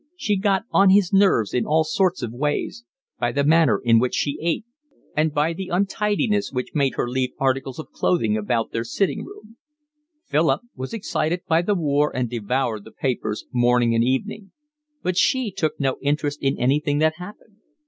She got on his nerves in all sorts of ways; by the manner in which she ate, and by the untidiness which made her leave articles of clothing about their sitting room: Philip was excited by the war and devoured the papers, morning and evening; but she took no interest in anything that happened.